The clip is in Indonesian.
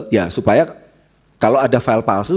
ya supaya kalau ada file palsu